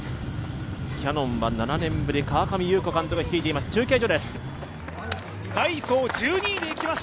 キヤノンは７年ぶり川上優子監督が率いています。